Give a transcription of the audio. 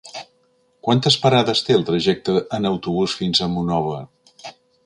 Quantes parades té el trajecte en autobús fins a Monòver?